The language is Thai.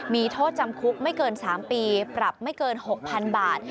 มีโทษจำคุกไม่เกิน๓ปีปรับไม่เกิน๖๐๐๐บาท